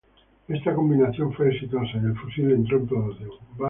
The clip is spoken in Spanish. Esta combinación fue exitosa y el fusil entró en producción.